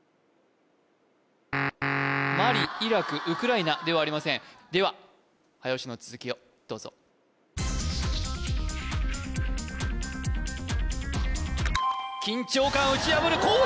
マリイラクウクライナではありませんでは早押しの続きをどうぞ緊張感打ち破るこう